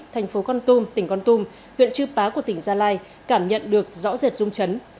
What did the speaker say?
thành phố con tùm tỉnh con tùm huyện chư pá của tỉnh gia lai cảm nhận được rõ rệt rung chấn